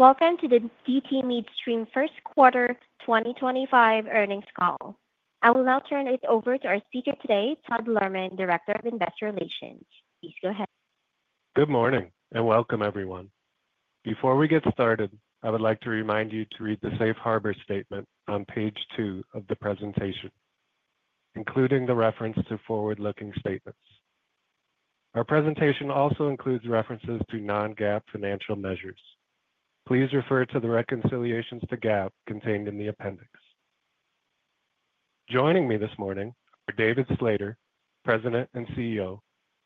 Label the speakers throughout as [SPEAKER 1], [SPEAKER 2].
[SPEAKER 1] Welcome to the DT Midstream Q1 2025 Earnings Call. I will now turn it over to our speaker today, Todd Lohrmann, Director of Investor Relations. Please go ahead.
[SPEAKER 2] Good morning and welcome, everyone. Before we get started, I would like to remind you to read the Safe Harbor Statement on page two of the presentation, including the reference to forward-looking statements. Our presentation also includes references to non-GAAP financial measures. Please refer to the reconciliations to GAAP contained in the appendix. Joining me this morning are David Slater, President and CEO,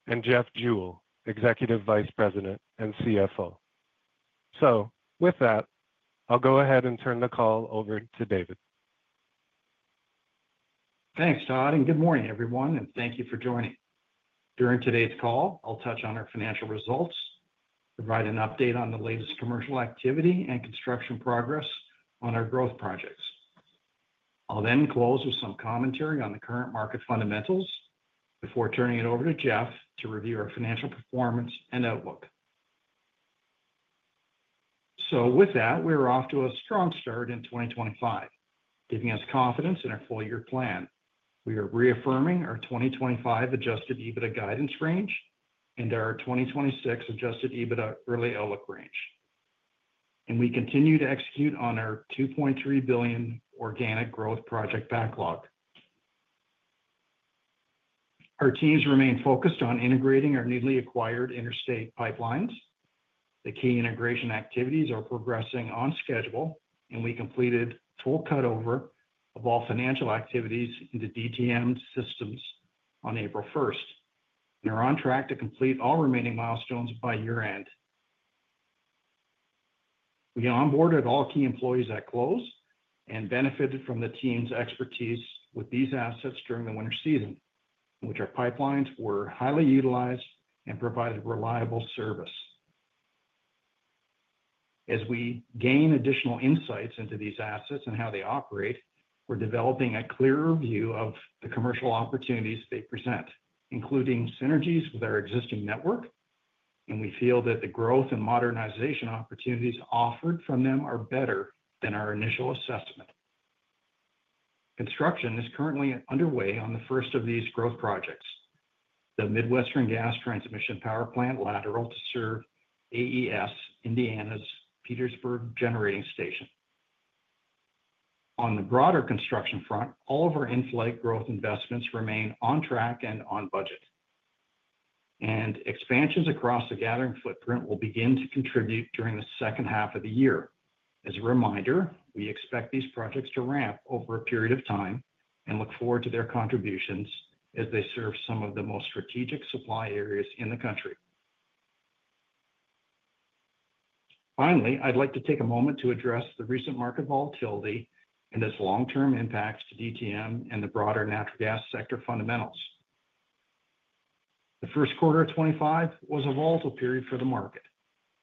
[SPEAKER 2] and Jeff Jewell, Executive Vice President and CFO. With that, I'll go ahead and turn the call over to David.
[SPEAKER 3] Thanks, Todd, and good morning, everyone, and thank you for joining. During today's call, I'll touch on our financial results, provide an update on the latest commercial activity, and construction progress on our growth projects. I'll then close with some commentary on the current market fundamentals before turning it over to Jeff to review our financial performance and outlook. With that, we're off to a strong start in 2025, giving us confidence in our four-year plan. We are reaffirming our 2025 Adjusted EBITDA guidance range and our 2026 Adjusted EBITDA early outlook range. We continue to execute on our $2.3 billion organic growth project backlog. Our teams remain focused on integrating our newly acquired interstate pipelines. The key integration activities are progressing on schedule, and we completed full cutover of all financial activities into DTM systems on April 1, 2025. We're on track to complete all remaining milestones by year-end. We onboarded all key employees at close and benefited from the team's expertise with these assets during the winter season, in which our pipelines were highly utilized and provided reliable service. As we gain additional insights into these assets and how they operate, we're developing a clearer view of the commercial opportunities they present, including synergies with our existing network, and we feel that the growth and modernization opportunities offered from them are better than our initial assessment. Construction is currently underway on the first of these growth projects, the Midwestern Gas Transmission Power Plant lateral to serve AES Indiana's Petersburg Generating Station. On the broader construction front, all of our in-flight growth investments remain on track and on budget, and expansions across the gathering footprint will begin to contribute during the second half of the year. As a reminder, we expect these projects to ramp over a period of time and look forward to their contributions as they serve some of the most strategic supply areas in the country. Finally, I'd like to take a moment to address the recent market volatility and its long-term impacts to DTM and the broader natural gas sector fundamentals. The Q1 of 2025 was a volatile period for the market,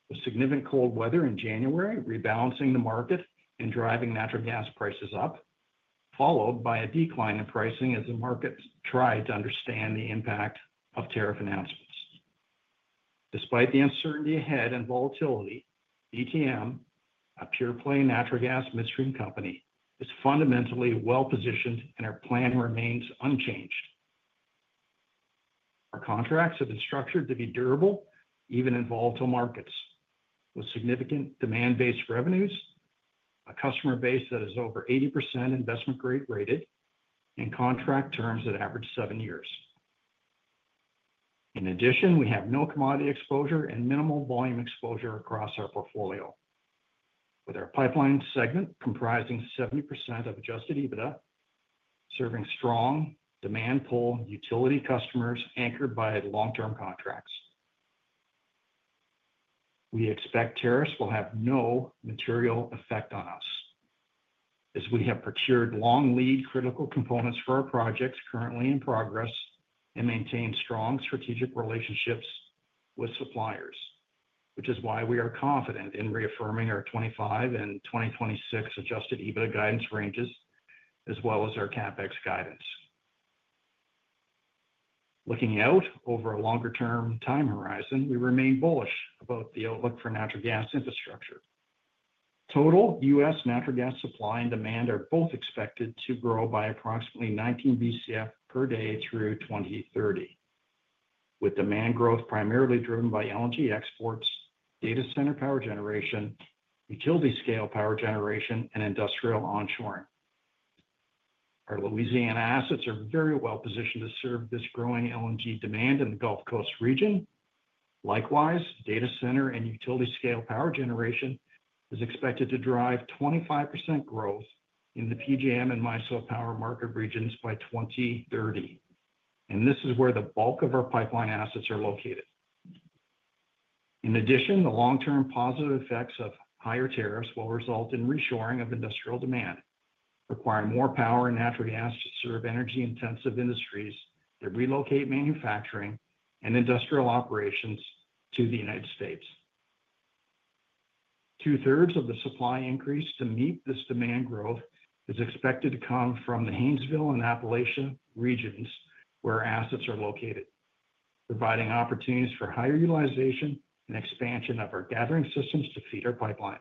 [SPEAKER 3] with significant cold weather in January rebalancing the market and driving natural gas prices up, followed by a decline in pricing as the market tried to understand the impact of tariff announcements. Despite the uncertainty ahead and volatility, DTM, a pure-play natural gas midstream company, is fundamentally well-positioned, and our plan remains unchanged. Our contracts have been structured to be durable even in volatile markets, with significant demand-based revenues, a customer base that is over 80% investment-grade rated, and contract terms that average seven years. In addition, we have no commodity exposure and minimal volume exposure across our portfolio, with our pipeline segment comprising 70% of Adjusted EBITDA serving strong demand-pull utility customers anchored by long-term contracts. We expect tariffs will have no material effect on us, as we have procured long-lead critical components for our projects currently in progress and maintain strong strategic relationships with suppliers, which is why we are confident in reaffirming our 2025 and 2026 Adjusted EBITDA guidance ranges, as well as our CapEx guidance. Looking out over a longer-term time horizon, we remain bullish about the outlook for natural gas infrastructure. Total U.S. Natural gas supply and demand are both expected to grow by approximately 19 BCF/d through 2030, with demand growth primarily driven by LNG exports, data center power generation, utility-scale power generation, and industrial onshoring. Our Louisiana assets are very well-positioned to serve this growing LNG demand in the Gulf Coast region. Likewise, data center and utility-scale power generation is expected to drive 25% growth in the PJM and MISO power market regions by 2030, and this is where the bulk of our pipeline assets are located. In addition, the long-term positive effects of higher tariffs will result in reshoring of industrial demand, requiring more power and natural gas to serve energy-intensive industries that relocate manufacturing and industrial operations to the United States. Two-thirds of the supply increase to meet this demand growth is expected to come from the Haynesville and Appalachia regions where our assets are located, providing opportunities for higher utilization and expansion of our gathering systems to feed our pipelines.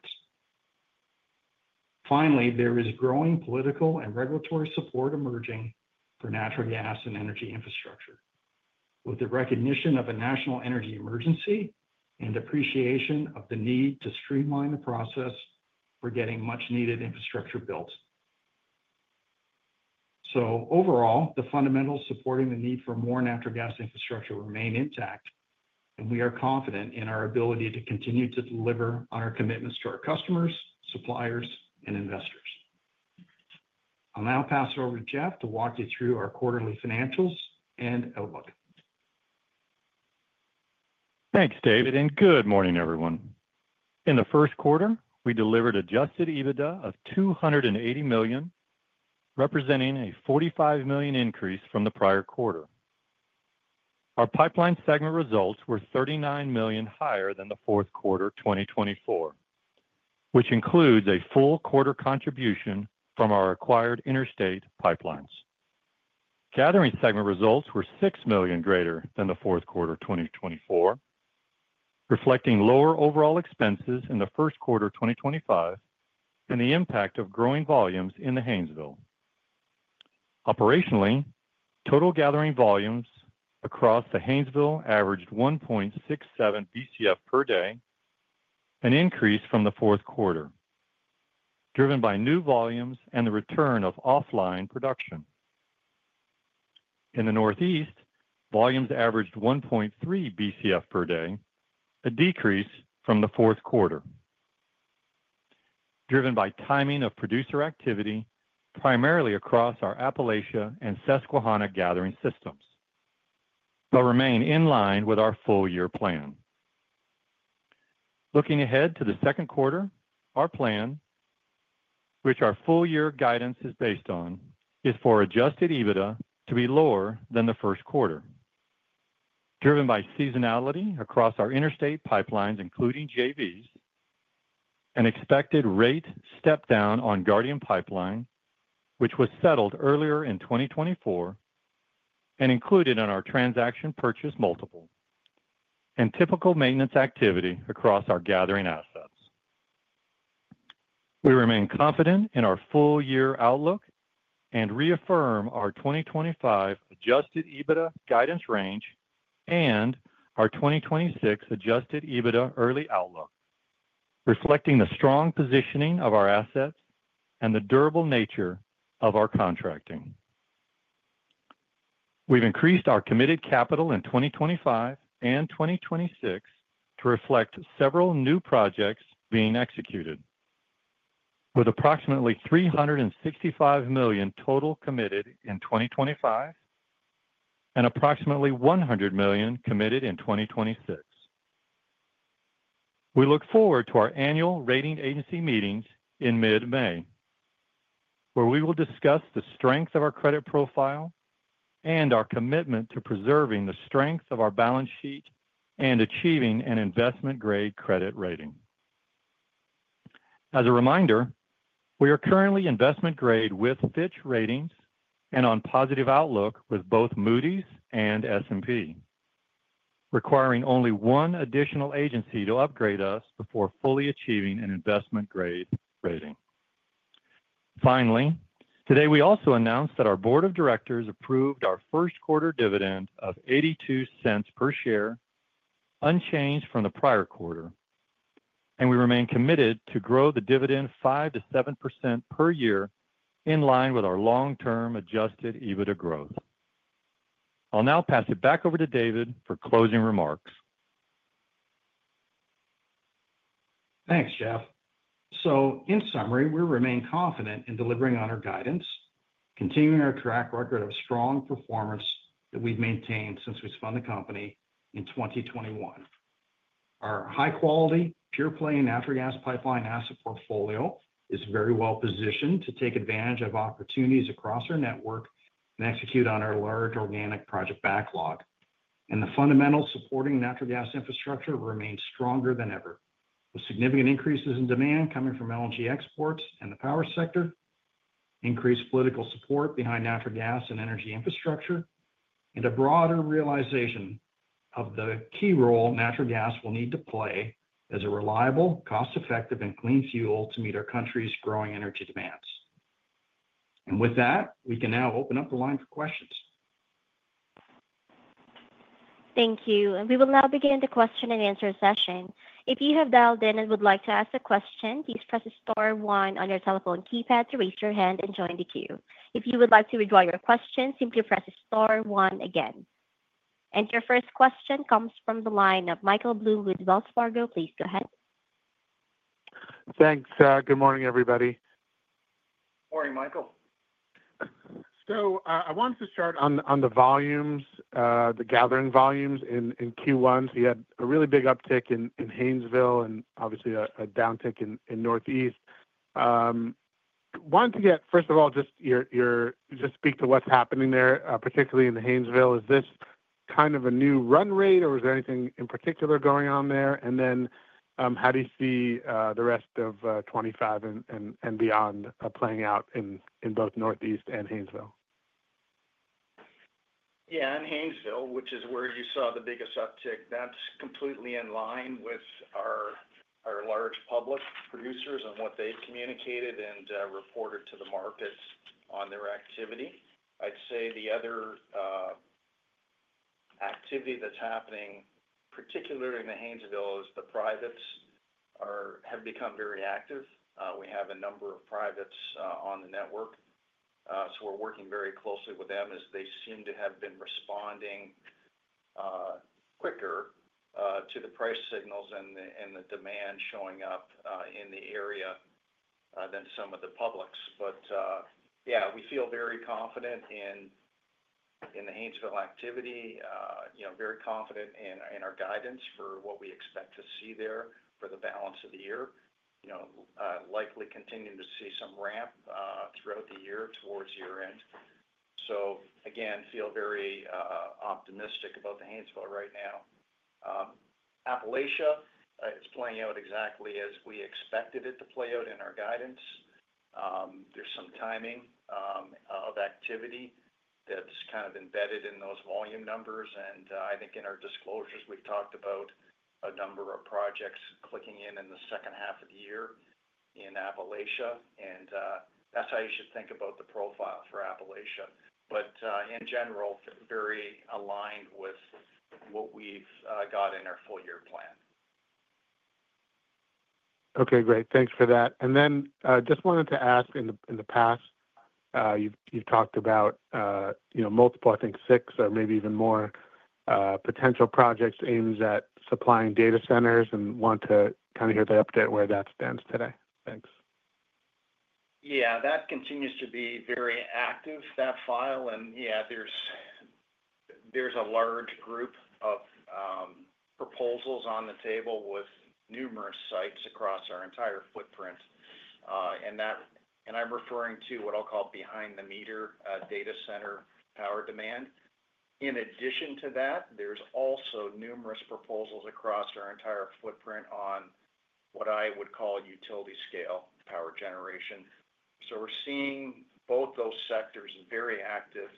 [SPEAKER 3] Finally, there is growing political and regulatory support emerging for natural gas and energy infrastructure, with the recognition of a national energy emergency and appreciation of the need to streamline the process for getting much-needed infrastructure built. Overall, the fundamentals supporting the need for more natural gas infrastructure remain intact, and we are confident in our ability to continue to deliver on our commitments to our customers, suppliers, and investors. I'll now pass it over to Jeff to walk you through our quarterly financials and outlook.
[SPEAKER 4] Thanks, David, and good morning, everyone. In the Q1, we delivered Adjusted EBITDA of $280 million, representing a $45 million increase from the prior quarter. Our Pipeline segment results were $39 million higher than the Q4 2024, which includes a full quarter contribution from our acquired interstate pipelines. Gathering segment results were $6 million greater than the Q4 2024, reflecting lower overall expenses in the Q1 2025 and the impact of growing volumes in the Haynesville. Operationally, total gathering volumes across the Haynesville averaged 1.67 BCF/d, an increase from the Q4, driven by new volumes and the return of offline production. In the Northeast, volumes averaged 1.3 BCF/d, a decrease from the Q4, driven by timing of producer activity primarily across our Appalachia and Susquehanna gathering systems, but remain in line with our full-year plan. Looking ahead to the Q2, our plan, which our full-year guidance is based on, is for Adjusted EBITDA to be lower than the Q1, driven by seasonality across our interstate pipelines, including JVs, an expected rate step-down on Guardian Pipeline, which was settled earlier in 2024 and included in our transaction purchase multiple, and typical maintenance activity across our gathering assets. We remain confident in our full-year outlook and reaffirm our 2025 Adjusted EBITDA guidance range and our 2026 Adjusted EBITDA early outlook, reflecting the strong positioning of our assets and the durable nature of our contracting. We've increased our committed capital in 2025 and 2026 to reflect several new projects being executed, with approximately $365 million total committed in 2025 and approximately $100 million committed in 2026. We look forward to our annual rating agency meetings in mid-May, where we will discuss the strength of our credit profile and our commitment to preserving the strength of our balance sheet and achieving an investment-grade credit rating. As a reminder, we are currently investment-grade with Fitch ratings and on positive outlook with both Moody's and S&P, requiring only one additional agency to upgrade us before fully achieving an investment-grade rating. Finally, today we also announced that our board of directors approved our Q1 dividend of $0.82 per share, unchanged from the prior quarter, and we remain committed to grow the dividend 5%-7% per year in line with our long-term Adjusted EBITDA growth. I'll now pass it back over to David for closing remarks.
[SPEAKER 3] Thanks, Jeff. In summary, we remain confident in delivering on our guidance, continuing our track record of strong performance that we've maintained since we spun the company in 2021. Our high-quality, pure-play natural gas pipeline asset portfolio is very well-positioned to take advantage of opportunities across our network and execute on our large organic project backlog. The fundamentals supporting natural gas infrastructure remain stronger than ever, with significant increases in demand coming from LNG exports and the power sector, increased political support behind natural gas and energy infrastructure, and a broader realization of the key role natural gas will need to play as a reliable, cost-effective, and clean fuel to meet our country's growing energy demands. With that, we can now open up the line for questions.
[SPEAKER 1] Thank you. We will now begin the question-and-answer session. If you have dialed in and would like to ask a question, please press star one on your telephone keypad to raise your hand and join the queue. If you would like to withdraw your question, simply press star one again. Your first question comes from the line of Michael Blum with Wells Fargo. Please go ahead.
[SPEAKER 5] Thanks. Good morning, everybody.
[SPEAKER 3] Good morning, Michael.
[SPEAKER 5] I wanted to start on the volumes, the gathering volumes in Q1. You had a really big uptick in Haynesville and obviously a downtick in Northeast. Wanted to get, first of all, just your just speak to what's happening there, particularly in the Haynesville. Is this kind of a new run rate, or is there anything in particular going on there? How do you see the rest of 2025 and beyond playing out in both Northeast and Haynesville?
[SPEAKER 3] Yeah, in Haynesville, which is where you saw the biggest uptick, that's completely in line with our large public producers and what they've communicated and reported to the markets on their activity. I'd say the other activity that's happening, particularly in the Haynesville, is the privates have become very active. We have a number of privates on the network, so we're working very closely with them as they seem to have been responding quicker to the price signals and the demand showing up in the area than some of the publics. Yeah, we feel very confident in the Haynesville activity, very confident in our guidance for what we expect to see there for the balance of the year, likely continuing to see some ramp throughout the year towards year-end. Again, feel very optimistic about the Haynesville right now. Appalachia is playing out exactly as we expected it to play out in our guidance. There's some timing of activity that's kind of embedded in those volume numbers. I think in our disclosures, we've talked about a number of projects clicking in in the second half of the year in Appalachia. That's how you should think about the profile for Appalachia. In general, very aligned with what we've got in our full-year plan.
[SPEAKER 5] Okay, great. Thanks for that. I just wanted to ask, in the past, you've talked about multiple, I think, six or maybe even more potential projects aimed at supplying data centers, and want to kind of hear the update where that stands today. Thanks.
[SPEAKER 3] Yeah, that continues to be very active, that file. Yeah, there's a large group of proposals on the table with numerous sites across our entire footprint. I'm referring to what I'll call behind-the-meter data center power demand. In addition to that, there's also numerous proposals across our entire footprint on what I would call utility-scale power generation. We're seeing both those sectors very active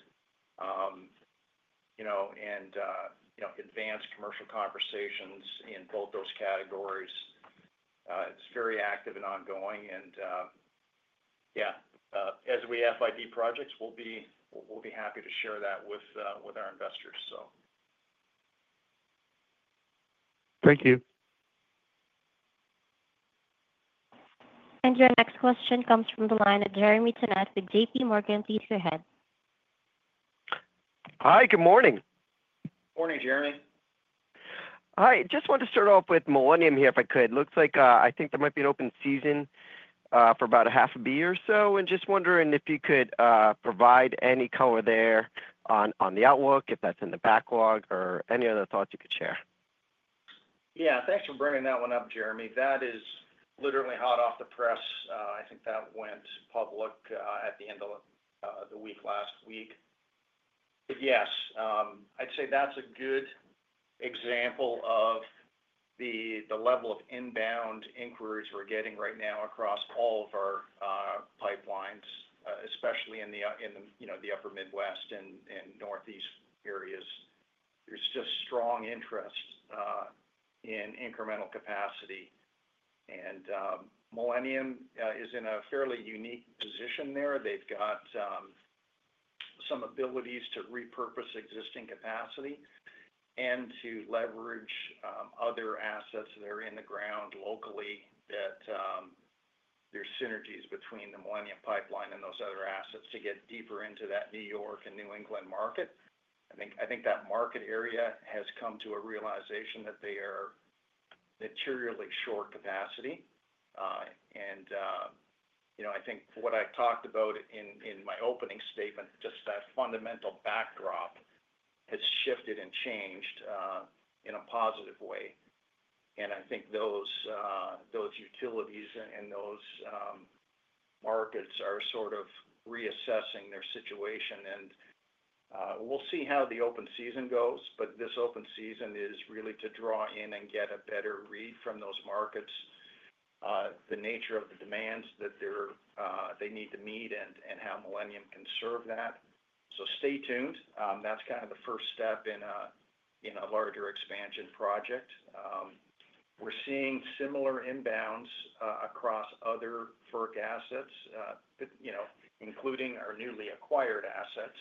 [SPEAKER 3] and advanced commercial conversations in both those categories. It's very active and ongoing. Yeah, as we FID projects, we'll be happy to share that with our investors.
[SPEAKER 5] Thank you.
[SPEAKER 1] Your next question comes from the line of Jeremy Tonet with JPMorgan. Please go ahead.
[SPEAKER 6] Hi, good morning.
[SPEAKER 3] Morning, Jeremy.
[SPEAKER 6] Hi. Just wanted to start off with Millennium here if I could. Looks like I think there might be an open season for about 1/2 a BCF or so. Just wondering if you could provide any color there on the outlook, if that's in the backlog, or any other thoughts you could share.
[SPEAKER 3] Yeah, thanks for bringing that one up, Jeremy. That is literally hot off the press. I think that went public at the end of the week last week. Yes, I'd say that's a good example of the level of inbound inquiries we're getting right now across all of our pipelines, especially in the upper Midwest and Northeast areas. There's just strong interest in incremental capacity. Millennium is in a fairly unique position there. They've got some abilities to repurpose existing capacity and to leverage other assets that are in the ground locally that there's synergies between the Millennium Pipeline and those other assets to get deeper into that New York and New England market. I think that market area has come to a realization that they are materially short capacity. I think what I talked about in my opening statement, just that fundamental backdrop has shifted and changed in a positive way. I think those utilities and those markets are sort of reassessing their situation. We will see how the open season goes, but this open season is really to draw in and get a better read from those markets, the nature of the demands that they need to meet, and how Millennium can serve that. Stay tuned. That is kind of the first step in a larger expansion project. We are seeing similar inbounds across other FERC assets, including our newly acquired assets.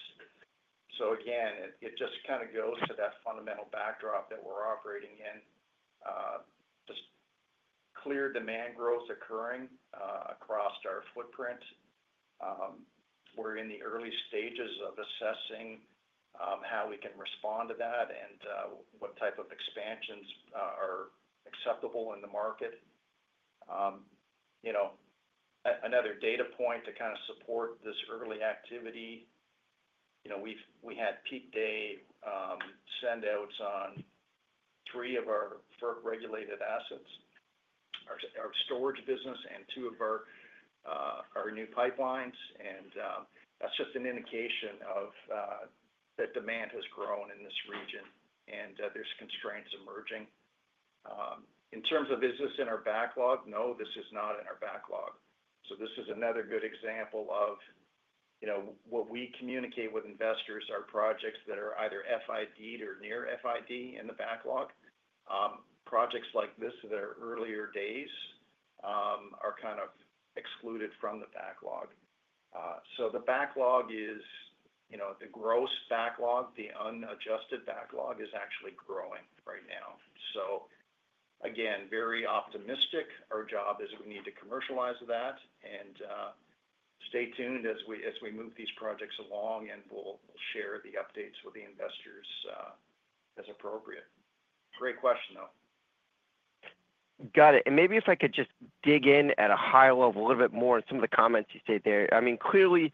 [SPEAKER 3] Again, it just kind of goes to that fundamental backdrop that we are operating in, just clear demand growth occurring across our footprint. We're in the early stages of assessing how we can respond to that and what type of expansions are acceptable in the market. Another data point to kind of support this early activity, we had peak day send-outs on three of our FERC-regulated assets, our storage business and two of our new pipelines. That's just an indication that demand has grown in this region and there's constraints emerging. In terms of is this in our backlog? No, this is not in our backlog. This is another good example of what we communicate with investors, our projects that are either FIDed or near FID in the backlog. Projects like this that are earlier days are kind of excluded from the backlog. The backlog is the gross backlog, the unadjusted backlog is actually growing right now. Again, very optimistic. Our job is we need to commercialize that. Stay tuned as we move these projects along, and we'll share the updates with the investors as appropriate. Great question, though.
[SPEAKER 6] Got it. Maybe if I could just dig in at a high level a little bit more on some of the comments you said there. I mean, clearly,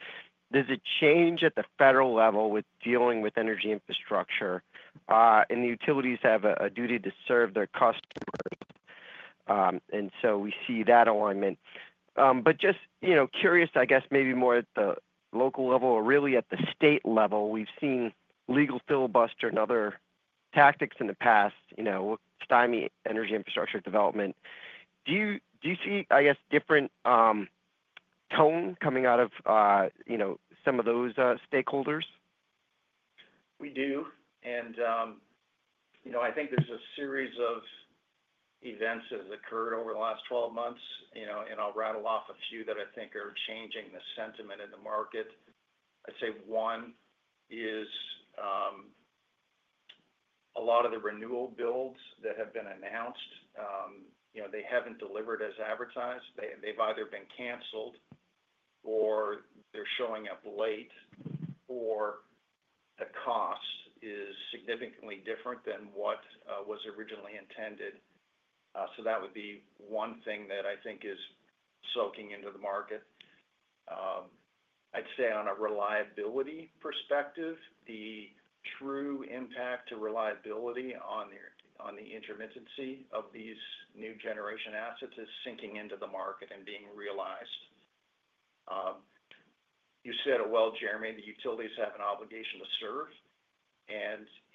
[SPEAKER 6] there's a change at the federal level with dealing with energy infrastructure. The utilities have a duty to serve their customers. We see that alignment. Just curious, I guess, maybe more at the local level or really at the state level, we've seen legal filibuster and other tactics in the past with stymie energy infrastructure development. Do you see, I guess, different tone coming out of some of those stakeholders?
[SPEAKER 3] We do. I think there's a series of events that have occurred over the last 12 months, and I'll rattle off a few that I think are changing the sentiment in the market. I'd say one is a lot of the renewal builds that have been announced, they haven't delivered as advertised. They've either been canceled or they're showing up late or the cost is significantly different than what was originally intended. That would be one thing that I think is soaking into the market. I'd say on a reliability perspective, the true impact to reliability on the intermittency of these new generation assets is sinking into the market and being realized. You said it well, Jeremy, the utilities have an obligation to serve.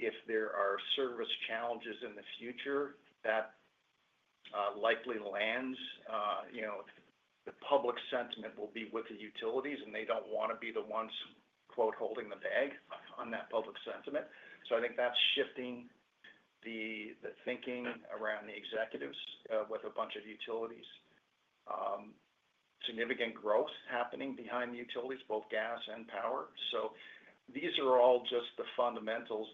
[SPEAKER 3] If there are service challenges in the future, that likely lands the public sentiment will be with the utilities, and they do not want to be the ones "holding the bag" on that public sentiment. I think that is shifting the thinking around the executives with a bunch of utilities. Significant growth happening behind the utilities, both gas and power. These are all just the fundamentals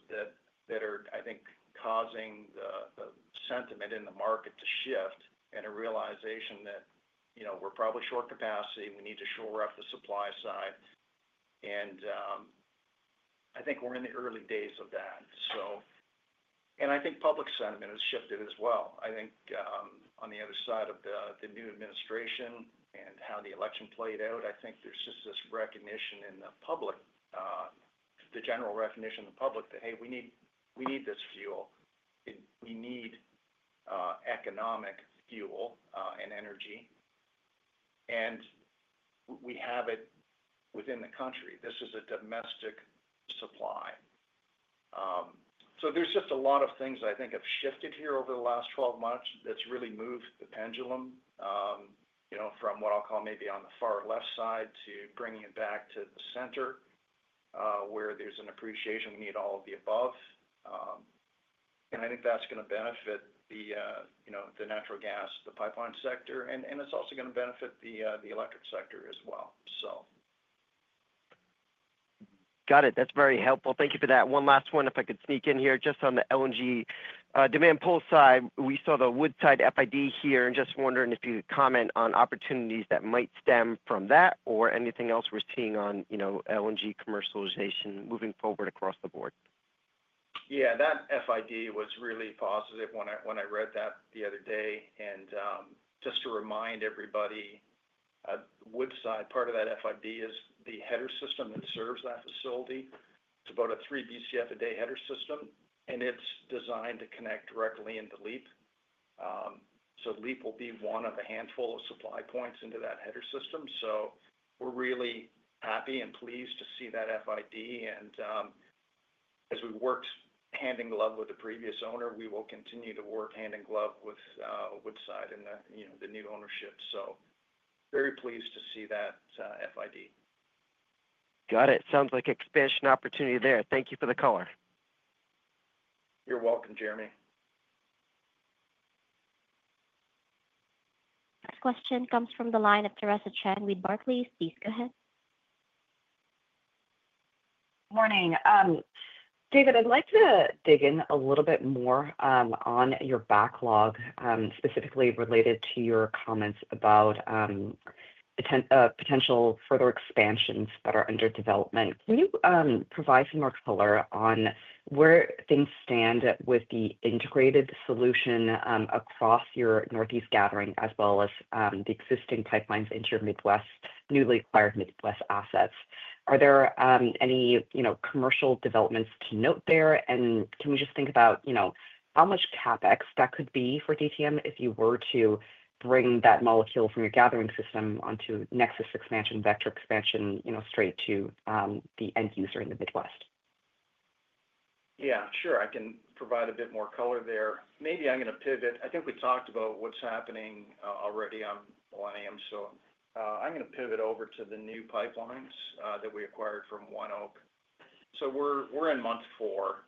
[SPEAKER 3] that are, I think, causing the sentiment in the market to shift and a realization that we are probably short capacity, we need to shore up the supply side. I think we are in the early days of that. I think public sentiment has shifted as well. I think on the other side of the new administration and how the election played out, I think there's just this recognition in the public, the general recognition in the public that, "Hey, we need this fuel. We need economic fuel and energy." We have it within the country. This is a domestic supply. There are just a lot of things I think have shifted here over the last 12 months that have really moved the pendulum from what I'll call maybe on the far left side to bringing it back to the center where there's an appreciation. We need all of the above. I think that's going to benefit the natural gas, the pipeline sector, and it's also going to benefit the electric sector as well.
[SPEAKER 6] Got it. That's very helpful. Thank you for that. One last one, if I could sneak in here, just on the LNG demand pull side, we saw the Woodside FID here. Just wondering if you could comment on opportunities that might stem from that or anything else we're seeing on LNG commercialization moving forward across the board.
[SPEAKER 3] Yeah, that FID was really positive when I read that the other day. Just to remind everybody, Woodside, part of that FID is the header system that serves that facility. It is about a 3 Bcf a day header system, and it is designed to connect directly into LEAP. LEAP will be one of a handful of supply points into that header system. We are really happy and pleased to see that FID. As we worked hand in glove with the previous owner, we will continue to work hand in glove with Woodside and the new ownership. Very pleased to see that FID.
[SPEAKER 6] Got it. Sounds like expansion opportunity there. Thank you for the color.
[SPEAKER 3] You're welcome, Jeremy.
[SPEAKER 1] Next question comes from the line of Theresa Chen with Barclays. Please go ahead.
[SPEAKER 7] Morning. David, I'd like to dig in a little bit more on your backlog, specifically related to your comments about potential further expansions that are under development. Can you provide some more color on where things stand with the integrated solution across your Northeast gathering as well as the existing pipelines into your Midwest, newly acquired Midwest assets? Are there any commercial developments to note there? Can we just think about how much CapEx that could be for DTM if you were to bring that molecule from your gathering system onto NEXUS expansion, Vector expansion straight to the end user in the Midwest?
[SPEAKER 3] Yeah, sure. I can provide a bit more color there. Maybe I'm going to pivot. I think we talked about what's happening already on Millennium. I'm going to pivot over to the new pipelines that we acquired from ONEOK. We're in month four.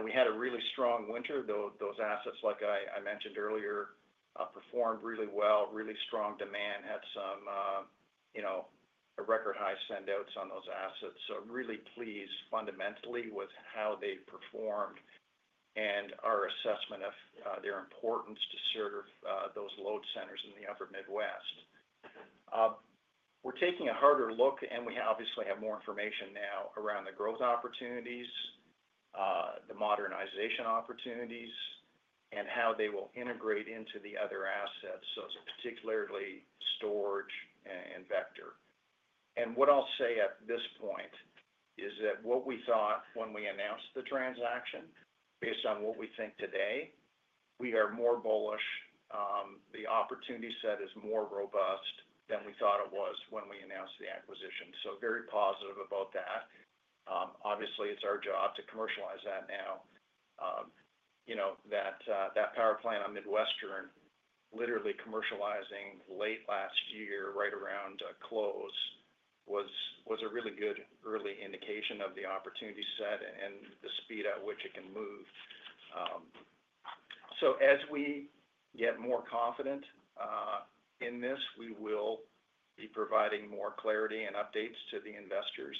[SPEAKER 3] We had a really strong winter. Those assets, like I mentioned earlier, performed really well, really strong demand, had some record high send-outs on those assets. Really pleased fundamentally with how they performed and our assessment of their importance to serve those load centers in the upper Midwest. We're taking a harder look, and we obviously have more information now around the growth opportunities, the modernization opportunities, and how they will integrate into the other assets, particularly storage and Vector. What I'll say at this point is that what we thought when we announced the transaction, based on what we think today, we are more bullish. The opportunity set is more robust than we thought it was when we announced the acquisition. Very positive about that. Obviously, it's our job to commercialize that now. That power plant on Midwestern, literally commercializing late last year, right around close, was a really good early indication of the opportunity set and the speed at which it can move. As we get more confident in this, we will be providing more clarity and updates to the investors.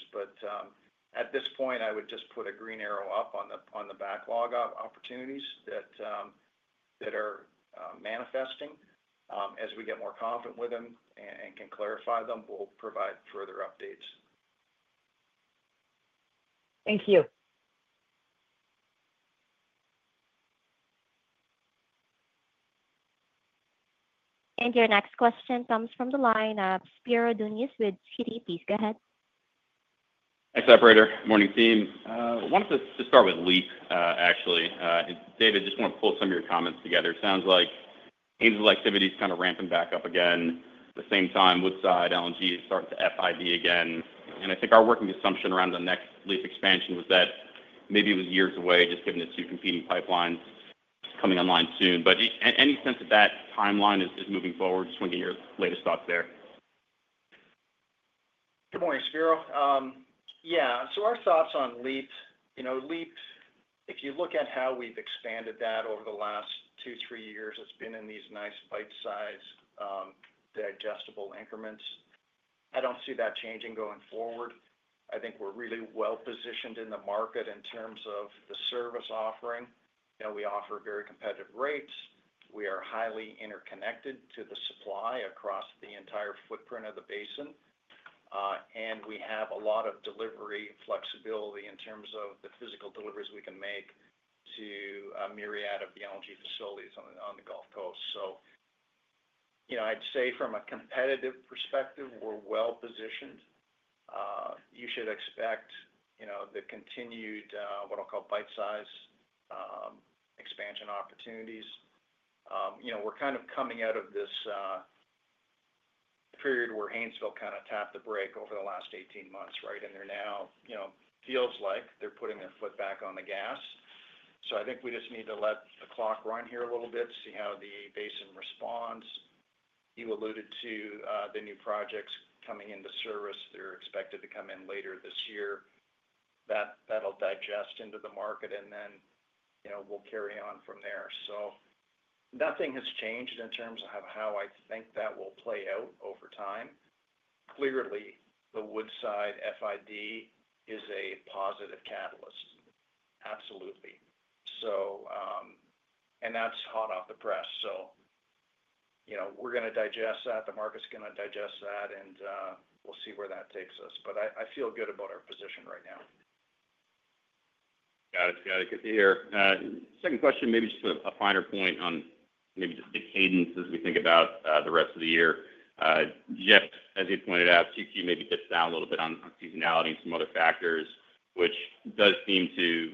[SPEAKER 3] At this point, I would just put a green arrow up on the backlog of opportunities that are manifesting. As we get more confident with them and can clarify them, we'll provide further updates.
[SPEAKER 7] Thank you.
[SPEAKER 1] Your next question comes from the line of Spiro Dounis with CIBC. Please go ahead. Hey, Slater. Morning, team. I wanted to start with LEAP, actually. David, I just want to pull some of your comments together. It sounds like Haynesville activity is kind of ramping back up again. At the same time, Woodside, LNG is starting to FID again. I think our working assumption around the next LEAP expansion was that maybe it was years away, just given the two competing pipelines coming online soon. Any sense that that timeline is moving forward? Just want to get your latest thoughts there.
[SPEAKER 3] Good morning, Spiro. Yeah. Our thoughts on LEAP. LEAP, if you look at how we've expanded that over the last two, three years, it's been in these nice bite-sized, digestible increments. I don't see that changing going forward. I think we're really well positioned in the market in terms of the service offering. We offer very competitive rates. We are highly interconnected to the supply across the entire footprint of the basin. We have a lot of delivery flexibility in terms of the physical deliveries we can make to a myriad of the LNG facilities on the Gulf Coast. I'd say from a competitive perspective, we're well positioned. You should expect the continued, what I'll call, bite-sized expansion opportunities. We're kind of coming out of this period where Haynesville kind of tapped the break over the last 18 months, right? They are now, feels like, they are putting their foot back on the gas. I think we just need to let the clock run here a little bit, see how the basin responds. You alluded to the new projects coming into service. They are expected to come in later this year. That will digest into the market, and we will carry on from there. Nothing has changed in terms of how I think that will play out over time. Clearly, the Woodside FID is a positive catalyst. Absolutely. That is hot off the press. We are going to digest that. The market is going to digest that, and we will see where that takes us. I feel good about our position right now.
[SPEAKER 8] Got it. Got it. Good to hear. Second question, maybe just a finer point on maybe just the cadence as we think about the rest of the year. Jeff, as you pointed out, 2Q maybe dips down a little bit on seasonality and some other factors, which does seem to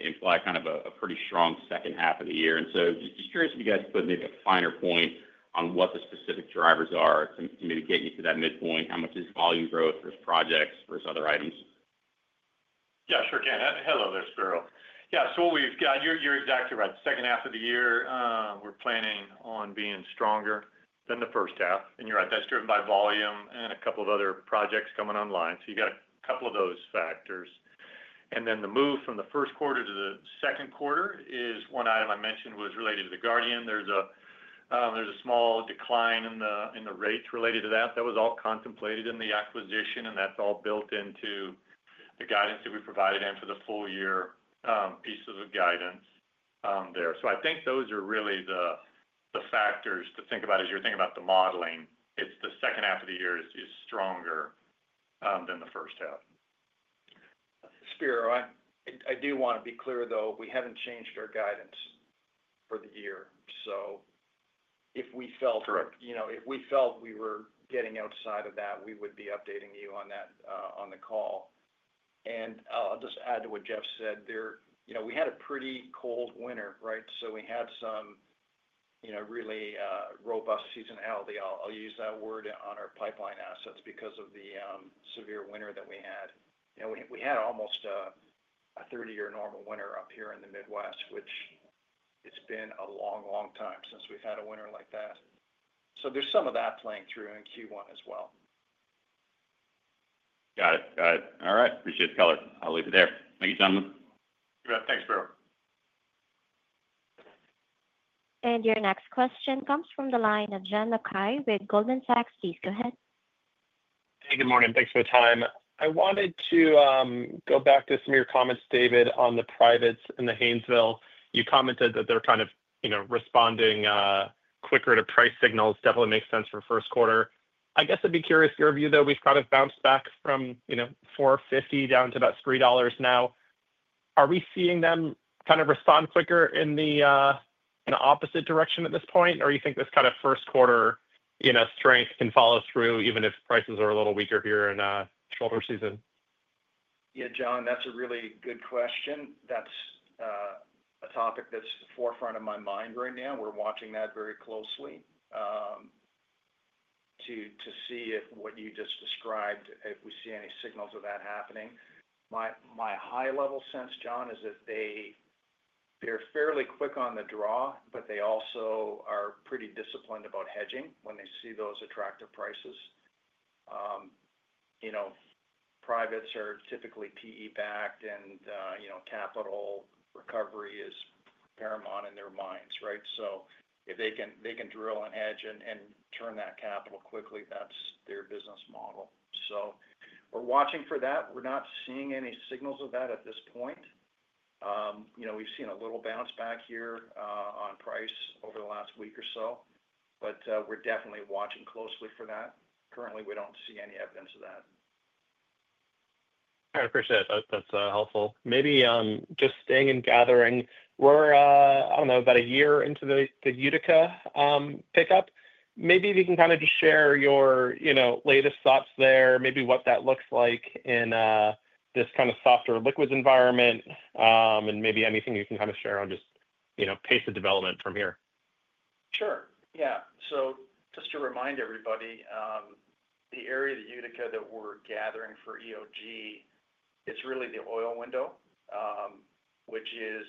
[SPEAKER 8] imply kind of a pretty strong second half of the year. Just curious if you guys could put maybe a finer point on what the specific drivers are to maybe get you to that midpoint, how much is volume growth versus projects versus other items?
[SPEAKER 4] Yeah, sure can. Hello, there's Spiro. Yeah. What we've got, you're exactly right. The second half of the year, we're planning on being stronger than the first half. You're right. That's driven by volume and a couple of other projects coming online. You've got a couple of those factors. The move from the Q1 to the Q2 is one item I mentioned was related to the Guardian. There's a small decline in the rates related to that. That was all contemplated in the acquisition, and that's all built into the guidance that we provided and for the full-year pieces of guidance there. I think those are really the factors to think about as you're thinking about the modeling. It's the second half of the year is stronger than the first half.
[SPEAKER 3] Spiro, I do want to be clear, though, we haven't changed our guidance for the year. If we felt. If we felt we were getting outside of that, we would be updating you on that on the call. I'll just add to what Jeff said. We had a pretty cold winter, right? We had some really robust seasonality. I'll use that word on our pipeline assets because of the severe winter that we had. We had almost a 30-year normal winter up here in the Midwest, which it's been a long, long time since we've had a winter like that. There's some of that playing through in Q1 as well.
[SPEAKER 8] Got it. Got it. All right. Appreciate the color. I'll leave it there. Thank you, gentlemen.
[SPEAKER 3] You bet. Thanks, Spiro.
[SPEAKER 1] Your next question comes from the line of John Mackay with Goldman Sachs. Please go ahead.
[SPEAKER 9] Hey, good morning. Thanks for the time. I wanted to go back to some of your comments, David, on the privates and the Haynesville. You commented that they're kind of responding quicker to price signals. Definitely makes sense for Q1. I guess I'd be curious, your view, though, we've kind of bounced back from $4.50 down to about $3 now. Are we seeing them kind of respond quicker in the opposite direction at this point? You think this kind of Q1 strength can follow through even if prices are a little weaker here in shoulder season?
[SPEAKER 3] Yeah, John, that's a really good question. That's a topic that's at the forefront of my mind right now. We're watching that very closely to see if what you just described, if we see any signals of that happening. My high-level sense, John, is that they're fairly quick on the draw, but they also are pretty disciplined about hedging when they see those attractive prices. Privates are typically PE-backed, and capital recovery is paramount in their minds, right? If they can drill and hedge and turn that capital quickly, that's their business model. We're watching for that. We're not seeing any signals of that at this point. We've seen a little bounce back here on price over the last week or so, but we're definitely watching closely for that. Currently, we don't see any evidence of that.
[SPEAKER 9] I appreciate it. That's helpful. Maybe just staying in gathering, we're, I don't know, about a year into the Utica pickup. Maybe if you can kind of just share your latest thoughts there, maybe what that looks like in this kind of softer liquids environment, and maybe anything you can kind of share on just pace of development from here.
[SPEAKER 3] Sure. Yeah. Just to remind everybody, the area of Utica that we're gathering for EOG, it's really the oil window, which is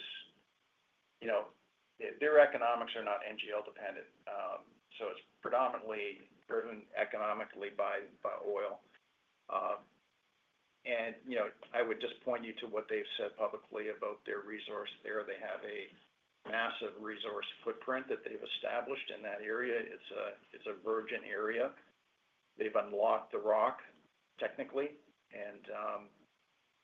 [SPEAKER 3] their economics are not NGL dependent. It is predominantly driven economically by oil. I would just point you to what they've said publicly about their resource there. They have a massive resource footprint that they've established in that area. It is a virgin area. They've unlocked the rock technically.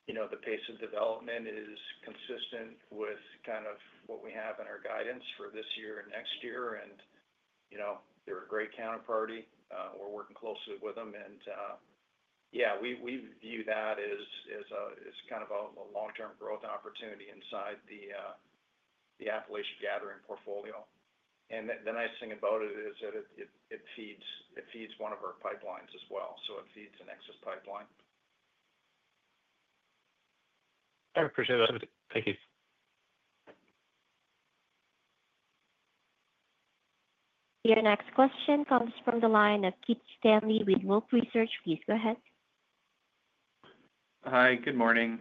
[SPEAKER 3] The pace of development is consistent with kind of what we have in our guidance for this year and next year. They are a great counterparty. We're working closely with them. Yeah, we view that as kind of a long-term growth opportunity inside the Appalachian gathering portfolio. The nice thing about it is that it feeds one of our pipelines as well. It feeds the NEXUS pipeline.
[SPEAKER 9] I appreciate that. Thank you.
[SPEAKER 1] Your next question comes from the line of Keith Stanley with Wolfe Research. Please go ahead.
[SPEAKER 10] Hi. Good morning.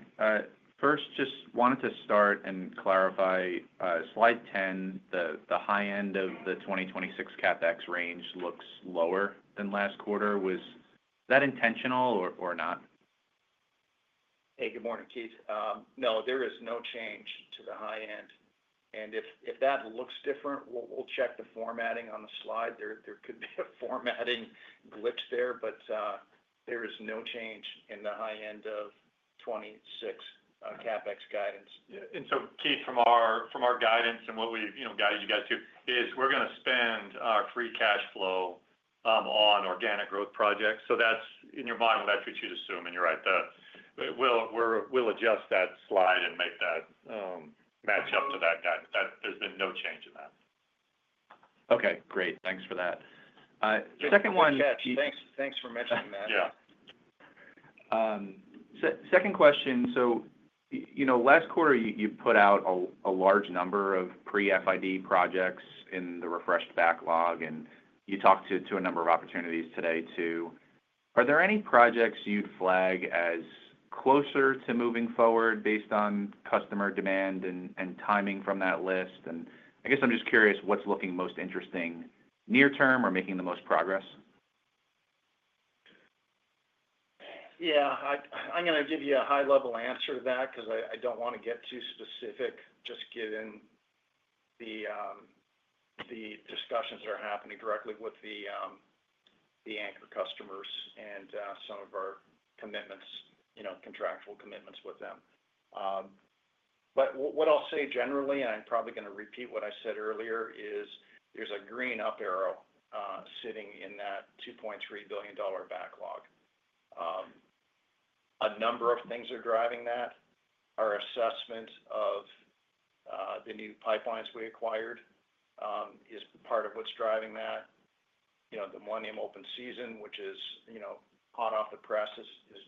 [SPEAKER 10] First, just wanted to start and clarify Slide 10, the high end of the 2026 CapEx range looks lower than last quarter. Was that intentional or not?
[SPEAKER 3] Hey, good morning, Keith. No, there is no change to the high end. If that looks different, we'll check the formatting on the slide. There could be a formatting glitch there, but there is no change in the high end of 2026 CapEx guidance.
[SPEAKER 4] Yeah. Keith, from our guidance and what we've guided you guys to, we're going to spend our free cash flow on organic growth projects. In your mind, that's what you'd assume. You're right. We'll adjust that slide and make that match up to that guidance. There's been no change in that.
[SPEAKER 10] Okay. Great. Thanks for that.
[SPEAKER 3] Thanks for mentioning that.
[SPEAKER 10] Yeah. Second question. Last quarter, you put out a large number of pre-FID projects in the refreshed backlog, and you talked to a number of opportunities today too. Are there any projects you'd flag as closer to moving forward based on customer demand and timing from that list? I guess I'm just curious what's looking most interesting near-term or making the most progress?
[SPEAKER 3] Yeah. I'm going to give you a high-level answer to that because I don't want to get too specific, just given the discussions that are happening directly with the anchor customers and some of our contractual commitments with them. What I'll say generally, and I'm probably going to repeat what I said earlier, is there's a green up arrow sitting in that $2.3 billion backlog. A number of things are driving that. Our assessment of the new pipelines we acquired is part of what's driving that. The Millennium Open Season, which is hot off the press, is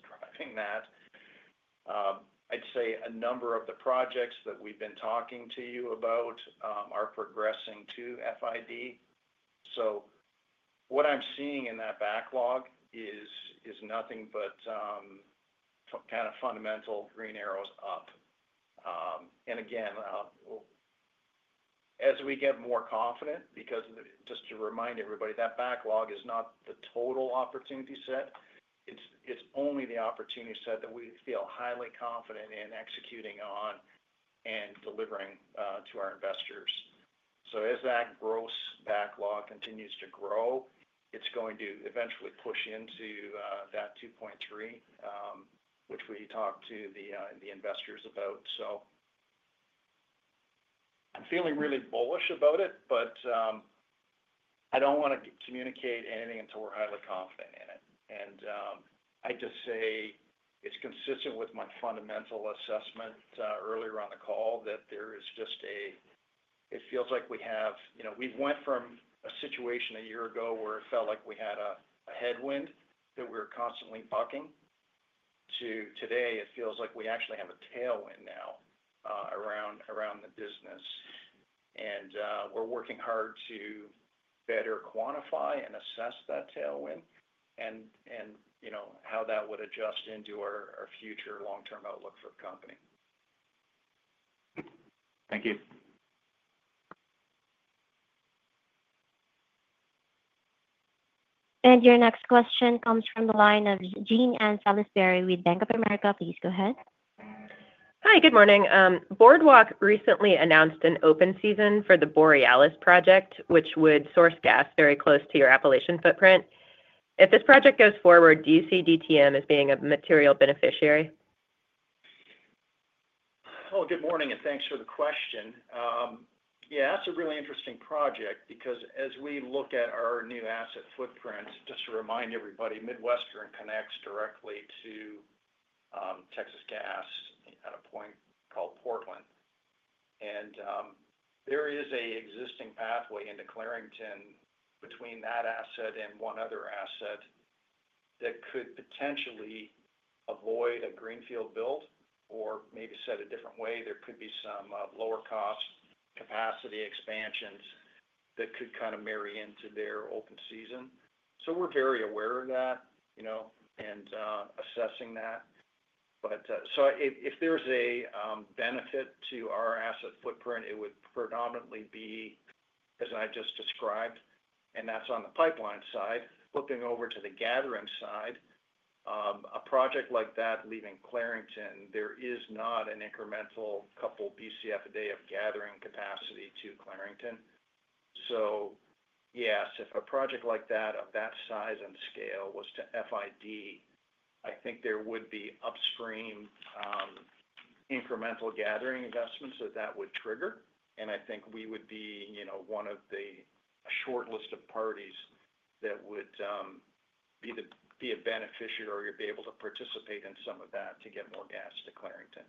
[SPEAKER 3] driving that. I'd say a number of the projects that we've been talking to you about are progressing to FID. What I'm seeing in that backlog is nothing but kind of fundamental green arrows up. As we get more confident, because just to remind everybody, that backlog is not the total opportunity set. It's only the opportunity set that we feel highly confident in executing on and delivering to our investors. As that gross backlog continues to grow, it's going to eventually push into that $2.3 billion, which we talked to the investors about. I'm feeling really bullish about it, but I don't want to communicate anything until we're highly confident in it. I just say it's consistent with my fundamental assessment earlier on the call that there is just a, it feels like we have, we went from a situation a year ago where it felt like we had a headwind that we were constantly bucking to today, it feels like we actually have a tailwind now around the business. We're working hard to better quantify and assess that tailwind and how that would adjust into our future long-term outlook for the company.
[SPEAKER 10] Thank you.
[SPEAKER 1] Your next question comes from the line of Jean Ann Salisbury with Bank of America. Please go ahead.
[SPEAKER 11] Hi, good morning. Boardwalk recently announced an open season for the Borealis project, which would source gas very close to your Appalachian footprint. If this project goes forward, do you see DTM as being a material beneficiary?
[SPEAKER 3] Oh, good morning, and thanks for the question. Yeah, that's a really interesting project because as we look at our new asset footprint, just to remind everybody, Midwestern connects directly to Texas Gas at a point called Portland. There is an existing pathway into Clarington between that asset and one other asset that could potentially avoid a greenfield build or maybe set a different way. There could be some lower-cost capacity expansions that could kind of marry into their open season. We are very aware of that and assessing that. If there's a benefit to our asset footprint, it would predominantly be, as I just described, and that's on the pipeline side. Flipping over to the gathering side, a project like that leaving Clarington, there is not an incremental couple Bcf a day of gathering capacity to Clarington. Yes, if a project like that of that size and scale was to FID, I think there would be upstream incremental gathering investments that that would trigger. I think we would be one of the short list of parties that would be a beneficiary or be able to participate in some of that to get more gas to Clarington.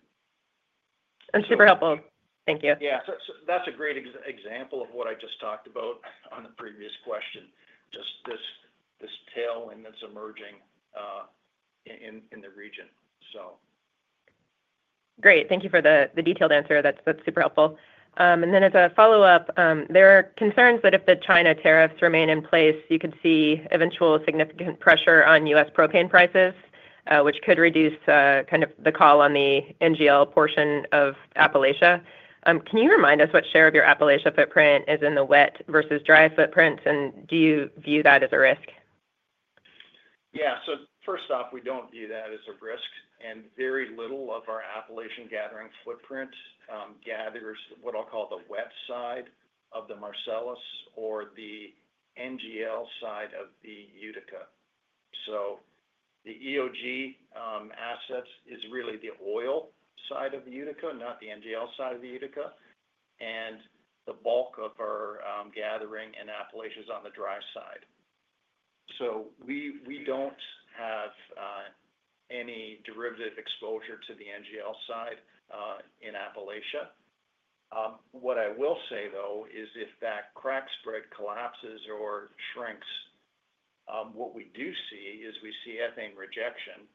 [SPEAKER 11] That's super helpful. Thank you.
[SPEAKER 3] Yeah. That is a great example of what I just talked about on the previous question, just this tailwind that is emerging in the region.
[SPEAKER 11] Great. Thank you for the detailed answer. That's super helpful. As a follow-up, there are concerns that if the China tariffs remain in place, you could see eventual significant pressure on U.S. propane prices, which could reduce kind of the call on the NGL portion of Appalachia. Can you remind us what share of your Appalachia footprint is in the wet versus dry footprint, and do you view that as a risk?
[SPEAKER 3] Yeah. First off, we don't view that as a risk. Very little of our Appalachian gathering footprint gathers what I'll call the wet side of the Marcellus or the NGL side of the Utica. The EOG asset is really the oil side of the Utica, not the NGL side of the Utica. The bulk of our gathering in Appalachia is on the dry side. We don't have any derivative exposure to the NGL side in Appalachia. What I will say, though, is if that crack spread collapses or shrinks, what we do see is we see ethane rejection.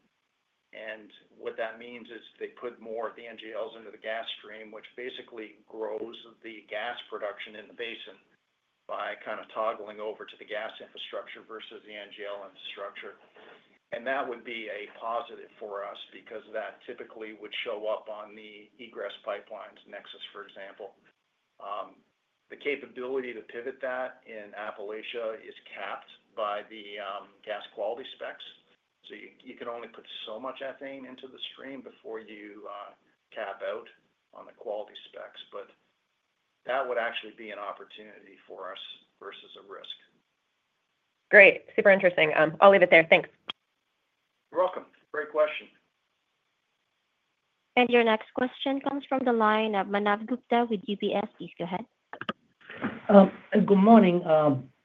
[SPEAKER 3] What that means is they put more of the NGLs into the gas stream, which basically grows the gas production in the basin by kind of toggling over to the gas infrastructure versus the NGL infrastructure. That would be a positive for us because that typically would show up on the egress pipelines, NEXUS, for example. The capability to pivot that in Appalachia is capped by the gas quality specs. You can only put so much ethane into the stream before you cap out on the quality specs. That would actually be an opportunity for us versus a risk.
[SPEAKER 11] Great. Super interesting. I'll leave it there. Thanks.
[SPEAKER 3] You're welcome. Great question.
[SPEAKER 1] Your next question comes from the line of Manav Gupta with UBS. Please go ahead.
[SPEAKER 12] Good morning.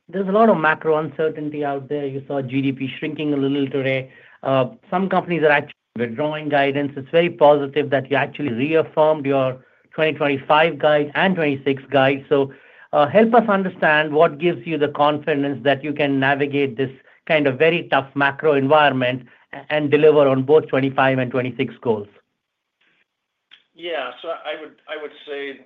[SPEAKER 12] There is a lot of macro uncertainty out there. You saw GDP shrinking a little today. Some companies are actually withdrawing guidance. It is very positive that you actually reaffirmed your 2025 guide and 2026 guide. Help us understand what gives you the confidence that you can navigate this kind of very tough macro environment and deliver on both 2025 and 2026 goals.
[SPEAKER 3] Yeah. I would say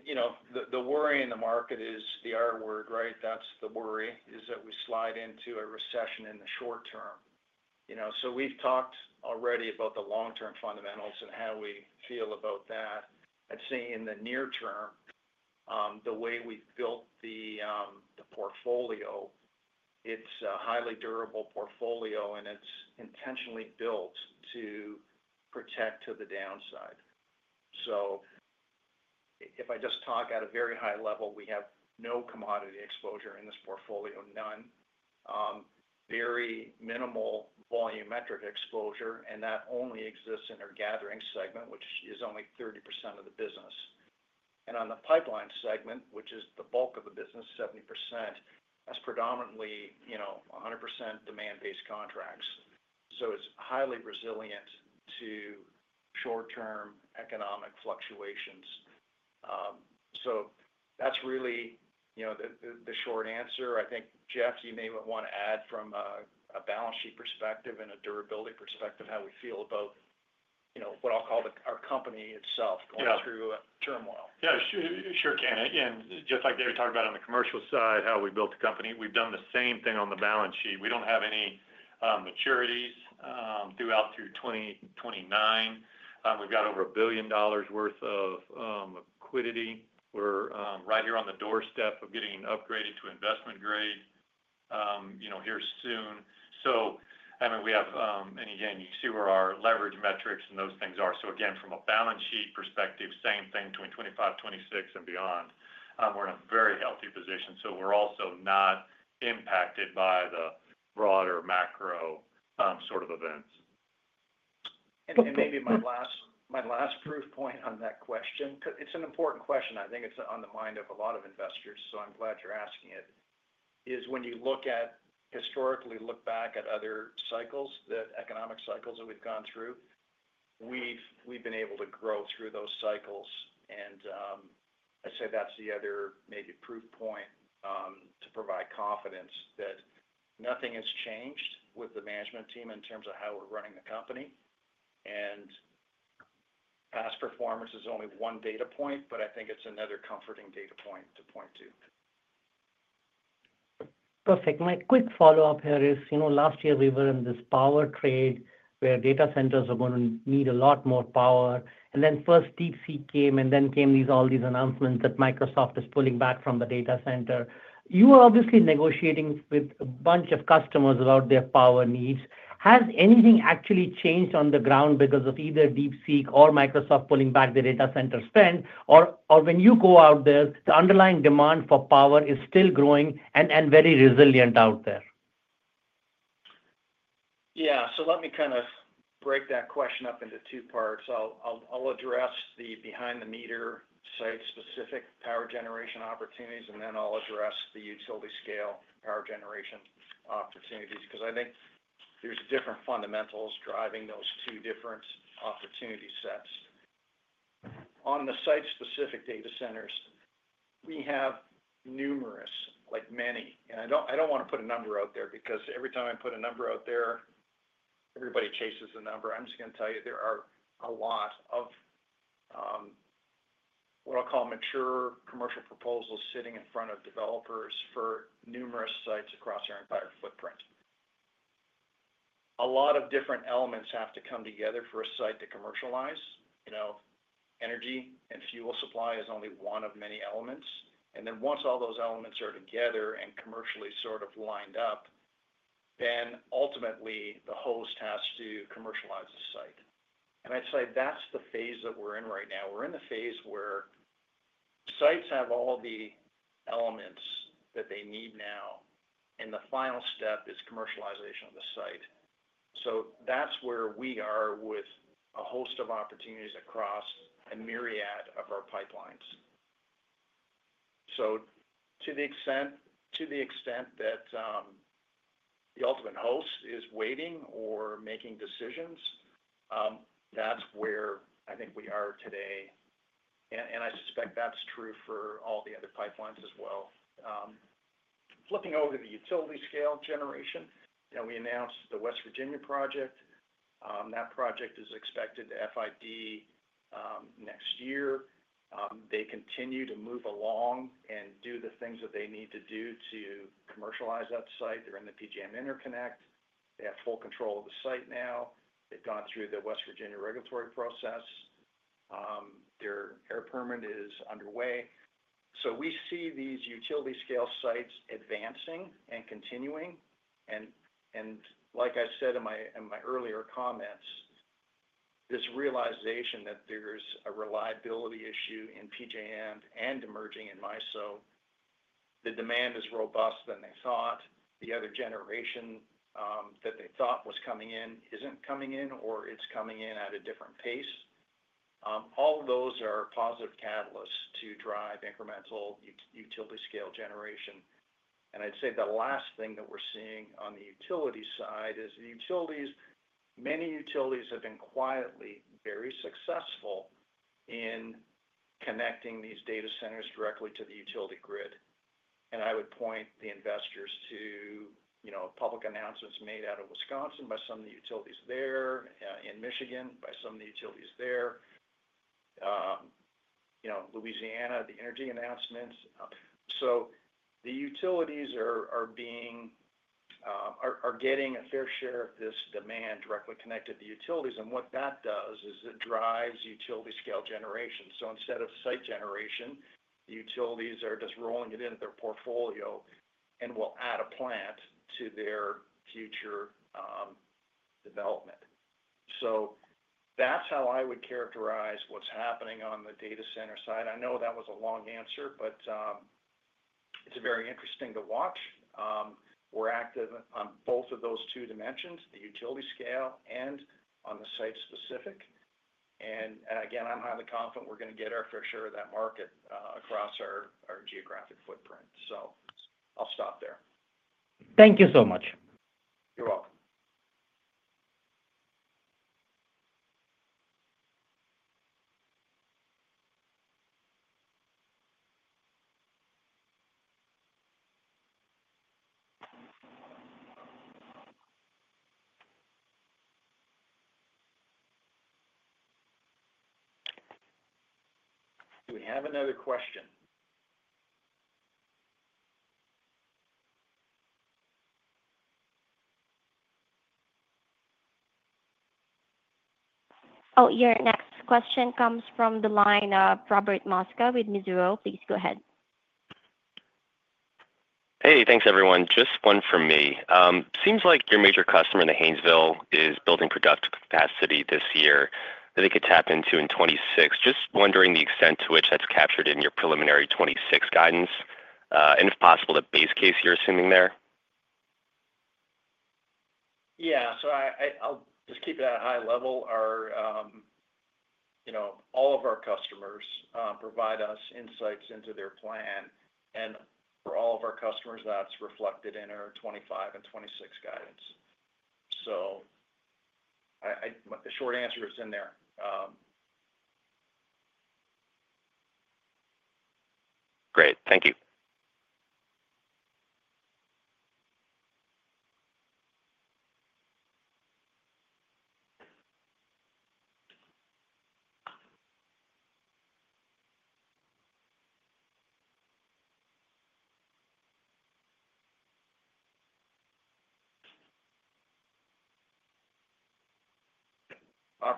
[SPEAKER 3] the worry in the market is the R word, right? That's the worry, is that we slide into a recession in the short term. We have talked already about the long-term fundamentals and how we feel about that. I'd say in the near term, the way we've built the portfolio, it's a highly durable portfolio, and it's intentionally built to protect to the downside. If I just talk at a very high level, we have no commodity exposure in this portfolio, none, very minimal volumetric exposure, and that only exists in our gathering segment, which is only 30% of the business. On the pipeline segment, which is the bulk of the business, 70%, that's predominantly 100% demand-based contracts. It's highly resilient to short-term economic fluctuations. That's really the short answer. I think, Jeff, you may want to add from a balance sheet perspective and a durability perspective how we feel about what I'll call our company itself going through turmoil.
[SPEAKER 4] Yeah. Sure can, again, just like we talked about on the commercial side, how we built the company, we've done the same thing on the balance sheet. We do not have any maturities through 2029. We have over $1 billion worth of liquidity. We are right here on the doorstep of getting upgraded to investment grade here soon. I mean, we have, and again, you see where our leverage metrics and those things are. Again, from a balance sheet perspective, same thing between 2025, 2026, and beyond. We are in a very healthy position. We are also not impacted by the broader macro sort of events.
[SPEAKER 3] Maybe my last proof point on that question, it's an important question. I think it's on the mind of a lot of investors, so I'm glad you're asking it, is when you look at historically look back at other cycles, the economic cycles that we've gone through, we've been able to grow through those cycles. I'd say that's the other maybe proof point to provide confidence that nothing has changed with the management team in terms of how we're running the company. Past performance is only one data point, but I think it's another comforting data point to point to.
[SPEAKER 12] Perfect. My quick follow-up here is last year we were in this power trade where data centers were going to need a lot more power. And then first DeepSeek came, and then came all these announcements that Microsoft is pulling back from the data center. You were obviously negotiating with a bunch of customers about their power needs. Has anything actually changed on the ground because of either DeepSeek or Microsoft pulling back the data center spend? Or when you go out there, the underlying demand for power is still growing and very resilient out there?
[SPEAKER 3] Yeah. Let me kind of break that question up into two parts. I'll address the behind-the-meter site-specific power generation opportunities, and then I'll address the utility-scale power generation opportunities because I think there's different fundamentals driving those two different opportunity sets. On the site-specific data centers, we have numerous, like many. I don't want to put a number out there because every time I put a number out there, everybody chases the number. I'm just going to tell you there are a lot of what I'll call mature commercial proposals sitting in front of developers for numerous sites across our entire footprint. A lot of different elements have to come together for a site to commercialize. Energy and fuel supply is only one of many elements. Once all those elements are together and commercially sort of lined up, ultimately the host has to commercialize the site. I'd say that's the phase that we're in right now. We're in the phase where sites have all the elements that they need now, and the final step is commercialization of the site. That's where we are with a host of opportunities across a myriad of our pipelines. To the extent that the ultimate host is waiting or making decisions, that's where I think we are today. I suspect that's true for all the other pipelines as well. Flipping over to the utility-scale generation, we announced the West Virginia project. That project is expected to FID next year. They continue to move along and do the things that they need to do to commercialize that site. They're in the PJM Interconnect. They have full control of the site now. They have gone through the West Virginia regulatory process. Their air permit is underway. We see these utility-scale sites advancing and continuing. Like I said in my earlier comments, this realization that there is a reliability issue in PJM and emerging in MISO, the demand is more robust than they thought. The other generation that they thought was coming in is not coming in, or it is coming in at a different pace. All those are positive catalysts to drive incremental utility-scale generation. I would say the last thing that we are seeing on the utility side is many utilities have been quietly very successful in connecting these data centers directly to the utility grid. I would point the investors to public announcements made out of Wisconsin by some of the utilities there, in Michigan by some of the utilities there, Louisiana, the energy announcements. The utilities are getting a fair share of this demand directly connected to utilities. What that does is it drives utility-scale generation. Instead of site generation, the utilities are just rolling it into their portfolio and will add a plant to their future development. That is how I would characterize what is happening on the data center side. I know that was a long answer, but it is very interesting to watch. We are active on both of those two dimensions, the utility scale and on the site-specific. Again, I am highly confident we are going to get our fair share of that market across our geographic footprint. I will stop there.
[SPEAKER 12] Thank you so much.
[SPEAKER 3] You're welcome. Do we have another question?
[SPEAKER 1] Oh, your next question comes from the line of Robert Mosca with Mizuho. Please go ahead.
[SPEAKER 13] Hey, thanks everyone. Just one from me. Seems like your major customer in the Haynesville is building production capacity this year that they could tap into in 2026. Just wondering the extent to which that's captured in your preliminary 2026 guidance and if possible, the base case you're assuming there.
[SPEAKER 3] Yeah. I'll just keep it at a high level. All of our customers provide us insights into their plan. And for all of our customers, that's reflected in our 2025 and 2026 guidance. The short answer is in there.
[SPEAKER 13] Great. Thank you.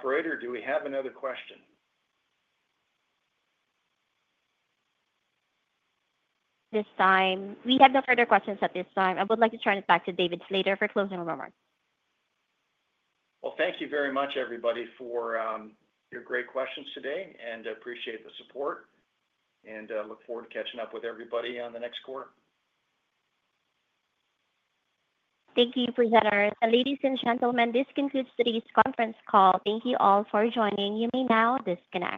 [SPEAKER 3] Operator, do we have another question?
[SPEAKER 1] This time, we have no further questions at this time. I would like to turn it back to David Slater for closing remarks.
[SPEAKER 3] Thank you very much, everybody, for your great questions today. I appreciate the support. I look forward to catching up with everybody on the next quarter.
[SPEAKER 1] Thank you, presenters. Ladies and gentlemen, this concludes today's conference call. Thank you all for joining. You may now disconnect.